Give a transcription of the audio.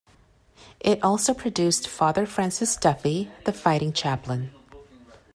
It also produced Father Francis Duffy, "The Fighting Chaplain".